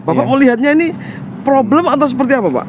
bapak mau lihatnya ini problem antar seperti apa pak